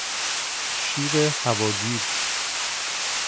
شیر هواگیر